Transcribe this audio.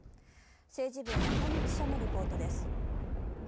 政治部・中野記者のリポートです。